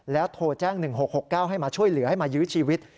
แล้วโทรแจ้ง๑๖๖๙ให้มาช่วยเหลือให้มายื้อชีวิต